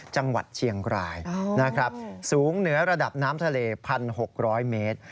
จังหวัดเชียงรายนะครับสูงเหนือระดับน้ำทะเล๑๖๐๐เมตร